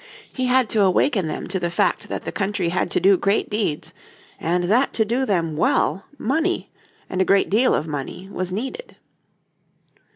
He had to awaken them to the fact that the country had to do great deeds, and that to do them well money, and a great deal of money, was needed.